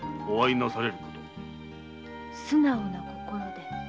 素直な心で。